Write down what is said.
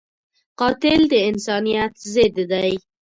قاتل د انسانیت ضد دی